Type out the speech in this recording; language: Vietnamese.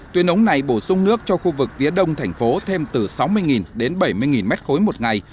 tuyên ống này bổ sung nước cho khu vực phía đông thành phố thêm từ sáu mươi đến bảy mươi m ba một ngày